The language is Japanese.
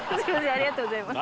ありがとうございます。